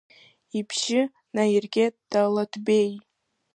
Ибжьы наиргеит Далаҭбеи.